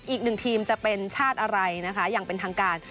อีกหนึ่งทีมจะเป็นชาติอะไรนะคะอย่างเป็นทางการ